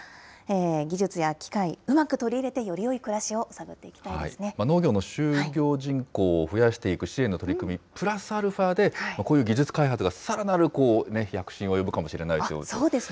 技術や機械、うまく取り入れて、よりよい暮らしにしていきたいで農業の就業人口を増やしていく支援の取り組み、プラスアルファでこういう技術開発が、さらなそうですね。